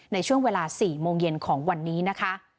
ในช่วงเวลา๔โมงเย็นของวันนี้นะคะ